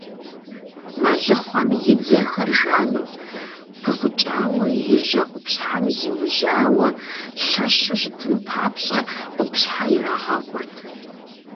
Мэлыхъуэхьэм и дзэхэр жану, пыхъукӀауэ, и жьэ къупщхьэм зиужьауэ, лъэщу щытын папщӀэ къупщхьэ ирагъэгъурт.